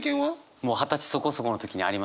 もう二十歳そこそこの時にありますね。